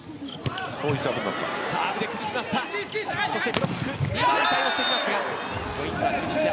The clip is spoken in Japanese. ブロック２枚で対応しますがポイント、チュニジア。